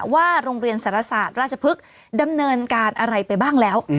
ว่าโรงเรียนสารศาสตร์ราชพฤกษ์ดำเนินการอะไรไปบ้างแล้ว